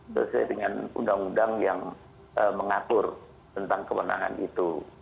sesuai dengan undang undang yang mengatur tentang kewenangan itu